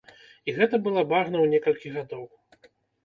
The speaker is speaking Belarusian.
І гэта была багна ў некалькі гадоў.